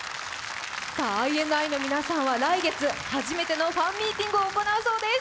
ＩＮＩの皆さんは来月、初めてのファンミーティングを行うそうです。